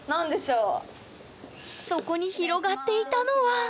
そこに広がっていたのは！